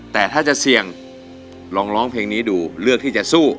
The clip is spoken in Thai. แต่ถ้าจะเสี่ยงลองร้องเพลงนี้ดูเลือกที่จะสู้